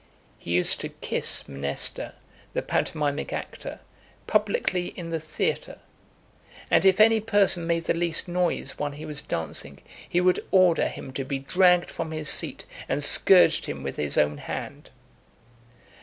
He used to kiss Mnester, the pantomimic actor, publicly in the theatre; and if any person made the least noise while he was dancing, he would order him to be dragged from his seat, and scourged him with his own hand.